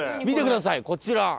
見てくださいこちら。